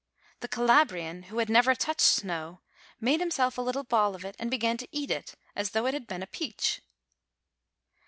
The Calabrian, who had never touched snow, made himself a little ball of it, and began to eat it, as though it had been a peach.